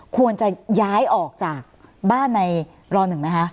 ควรจะย้ายออกจากบ้านในร๑ไหมคะ